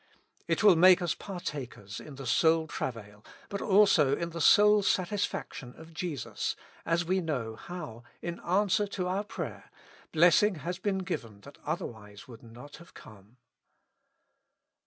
It will maks us partakers in the soul travail, but also in the soul satis faction of Jesus, as we know how, in answer to our prayer, blessing has been given that otherwise would not have come.